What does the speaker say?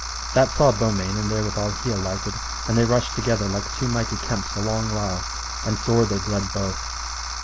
That saw Beaumains, and therewithal he alighted, and they rushed together like two mighty kemps a long while, and sore they bled both.